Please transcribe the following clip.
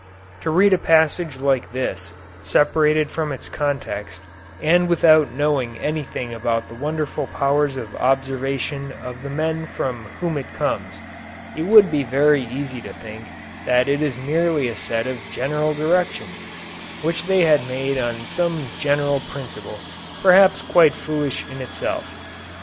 To read a passage like this separated from its context and without knowing anything about the wonderful powers of observation of the men from whom it comes, it would be very easy to think that it is merely a set of general directions which they had made on some general principle, perhaps quite foolish in itself.